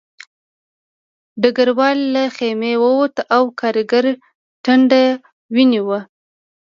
ډګروال له خیمې ووت او د کارګر ټنډه وینه وه